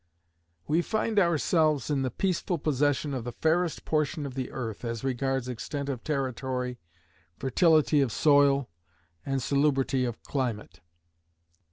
We find ourselves in the peaceful possession of the fairest portion of the earth, as regards extent of territory, fertility of soil, and salubrity of climate.